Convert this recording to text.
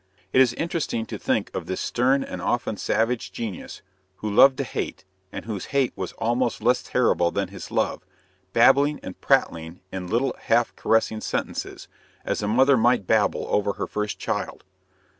It is interesting to think of this stern and often savage genius, who loved to hate, and whose hate was almost less terrible than his love, babbling and prattling in little half caressing sentences, as a mother might babble over her first child.